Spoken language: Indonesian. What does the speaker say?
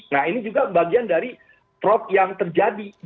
nah ini juga bagian dari fraud yang terjadi